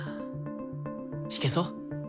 弾けそう？